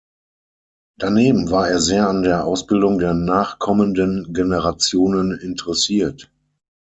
Daneben war er sehr an der Ausbildung der nachkommenden Generationen interessiert.